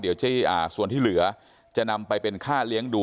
เดี๋ยวส่วนที่เหลือจะนำไปเป็นค่าเลี้ยงดู